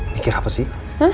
mikir apa sih